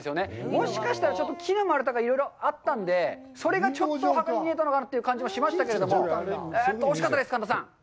もしかしたら、木の丸太がいろいろあったのでそれがちょっとお墓に見えたのかなという感じもしましたけど、惜しかったです、神田さん。